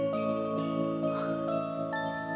dengan ingatan dan doa kamu